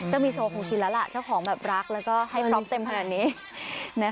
จะมีโซเด์ของชินแล้วแหละเจ้าของแบบรักแล้วก็ให้ปล๊อปเต็มแบบนี้